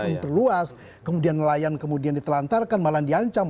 itu perluas kemudian nelayan kemudian ditelantarkan malah diancam